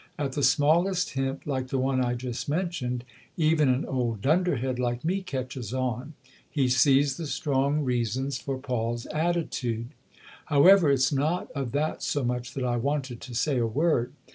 At the smallest hint like the one I just mentioned even an old dunderhead like me catches on he sees the strong reasons for Paul's attitude. However, it's not of that so much that I wanted to say a word.